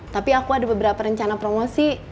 tapi aku ada beberapa rencana promosi